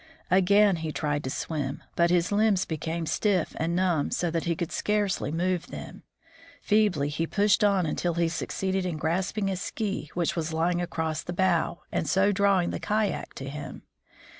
Again he tried to swim, but his limbs became stiff and numb so that he could scarcely move them. Feebly he pushed on until he succeeded in grasping a ski which was lying across the bow, and so drawing the kayak to him.